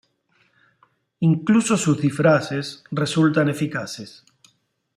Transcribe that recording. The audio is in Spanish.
Incluso sus disfraces resultan eficaces.